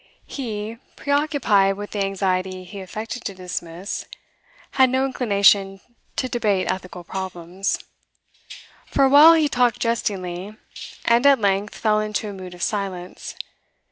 He, preoccupied with the anxiety he affected to dismiss, had no inclination to debate ethical problems. For a while he talked jestingly, and at length fell into a mood of silence.